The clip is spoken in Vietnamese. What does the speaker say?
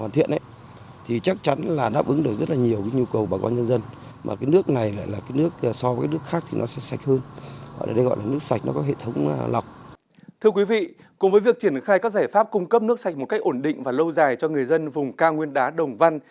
thưa quý vị cùng với việc triển khai các giải pháp cung cấp nước sạch một cách ổn định và lâu dài cho người dân vùng cao nguyên đá đồng văn